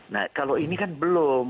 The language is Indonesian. nah kalau ini kan belum